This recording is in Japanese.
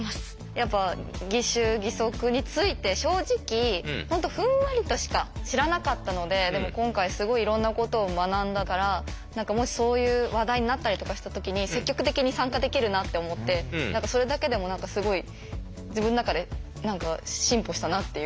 やっぱ義手義足について正直ふんわりとしか知らなかったのででも今回すごいいろんなことを学んだから何かもしそういう話題になったりとかした時に積極的に参加できるなって思ってそれだけでも何かすごい自分の中で進歩したなっていう。